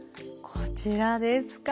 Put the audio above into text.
こちらですか。